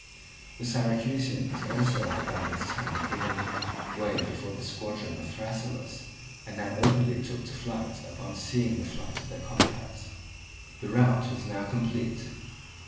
The Syracusans also had by this time given way before the squadron of Thrasyllus, and now openly took to flight upon seeing the flight of their comrades. The rout was now complete.